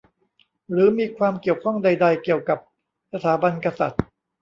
หรือมีความเกี่ยวข้องใดใด เกี่ยวกับสถาบันกษัตริย์